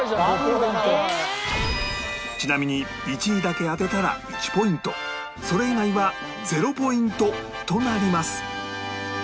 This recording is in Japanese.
ちなみに１位だけ当てたら１ポイントそれ以外は０ポイントとなります